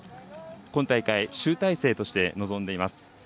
今大会、集大成として臨んでいます。